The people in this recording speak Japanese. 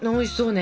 ね